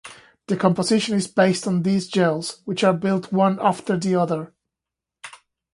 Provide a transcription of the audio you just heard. The composition is based on these gels which are built one after the other.